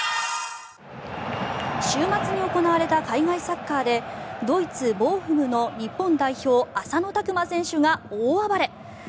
週末に行われた海外サッカーでドイツ、ボーフムの日本代表浅野拓磨選手が大暴れ。